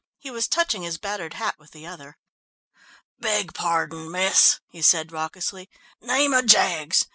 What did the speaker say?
He was touching his battered hat with the other. "Beg pardon, miss," he said raucously, "name of Jaggs!